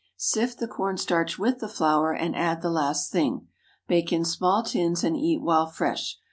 Sift the corn starch with the flour, and add the last thing. Bake in small tins and eat while fresh.